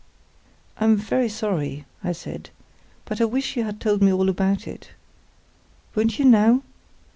_ "I'm very sorry," I said, "but I wish you had told me all about it. Won't you now?